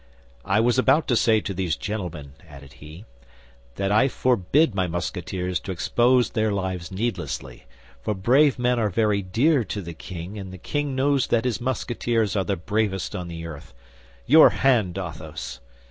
"I was about to say to these gentlemen," added he, "that I forbid my Musketeers to expose their lives needlessly; for brave men are very dear to the king, and the king knows that his Musketeers are the bravest on the earth. Your hand, Athos!"